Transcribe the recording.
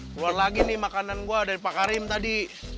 keluar lagi nih makanan gue dari pak karim tadi